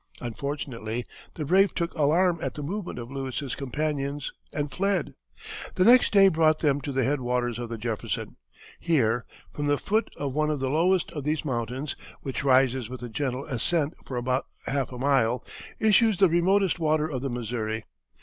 Unfortunately, the brave took alarm at the movement of Lewis's companions and fled. The next day brought them to the head waters of the Jefferson. Here, "from the foot of one of the lowest of these mountains, which rises with a gentle ascent for about half a mile, issues the remotest water of the Missouri.